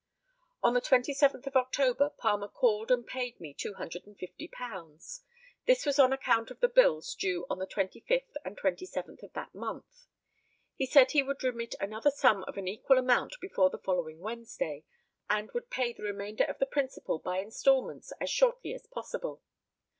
On the 27th of October, Palmer called and paid me £250. This was on account of the bills due on the 25th and 27th of that month. He said he would remit another sum of an equal amount before the following Wednesday, and would pay the remainder of the principal by instalments as shortly as possible.